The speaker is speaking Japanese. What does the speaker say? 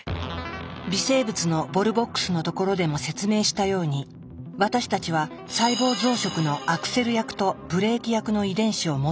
微生物のボルボックスのところでも説明したように私たちは細胞増殖のアクセル役とブレーキ役の遺伝子を持っている。